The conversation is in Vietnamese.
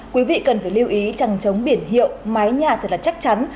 quý vị cần phải lưu ý trằng trống biển hiệu mái nhà thật là chắc chắn